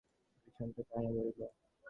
পরে সে ছুটে আসিয়া মাদুরের পিছনটা টানিয়া ধরিল।